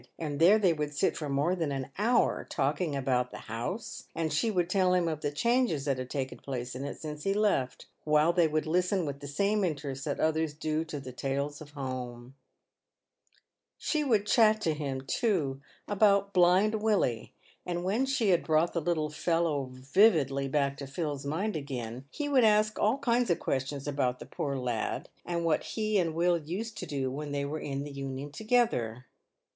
And there they would sit for more than an hour together talking about the " house," and she would tell him of the changes that had taken place in it since he left, while they would listen with the same interest that others do to the tales of home. PAYED WITH GOLD. 59 She would chat to him, too, about blind Willie, and when she had brought the little fellow vividly back to Phil's mind again, he would ask all kinds of questions about the poor lad, and what he and Will used to do when they were in the Union together.